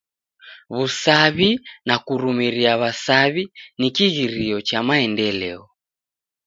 W'usaw'i na kurumiria w'asaw'i ni kighirio cha maendeleo.